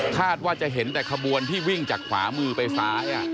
คาดว่าจะเห็นแต่ขบวนที่วิ่งจากขวามือไปซ้าย